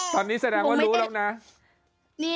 ตอนนี้แสดงว่ารู้แล้วนะ